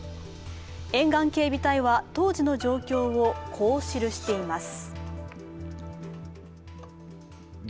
沿岸警備隊は、当時の状況をこう記しています。